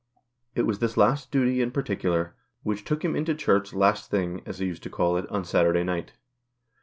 It was this last duty in particular, which took him into Church "last thing," as he used to call it, on Saturday night.